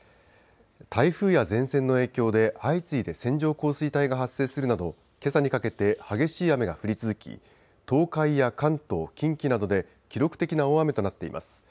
台風や前線の影響で相次いで線状降水帯が発生するなどけさにかけて激しい雨が降り続き東海や関東、近畿などで記録的な大雨となっています。